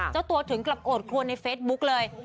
เจ้าตัวถึงกับโอดคลวนในเฟซบุ๊กเลย